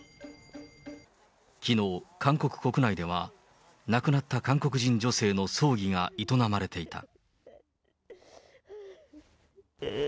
きのう、韓国国内では、亡くなった韓国人女性の葬儀が営まれていた。